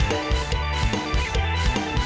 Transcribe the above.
โปรดติดตามตอนต่อไป